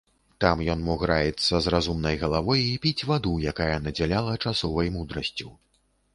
Там ён мог раіцца з разумнай галавой і піць ваду, якая надзяляла часовай мудрасцю.